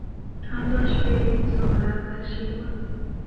همدا شپې وې سنبله پیل شوې وه.